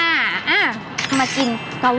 เพราะว่าผักหวานจะสามารถทำออกมาเป็นเมนูอะไรได้บ้าง